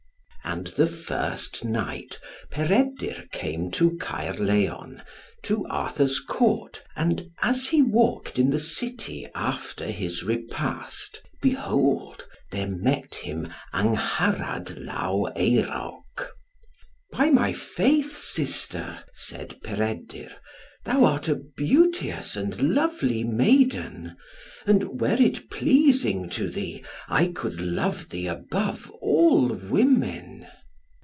And the first night, Peredur came to Caerlleon, to Arthur's Court, and as he walked in the city after his repast, behold, there met him Angharad Law Eurawc. "By my faith, sister," said Peredur, "thou art a beauteous and lovely maiden; and were it pleasing to thee, I could love thee above all women."